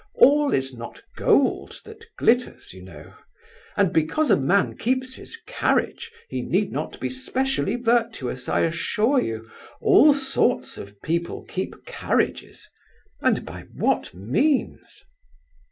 All is not gold that glitters, you know; and because a man keeps his carriage he need not be specially virtuous, I assure you, all sorts of people keep carriages. And by what means?"